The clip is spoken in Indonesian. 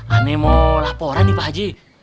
aneh mau laporan nih pak haji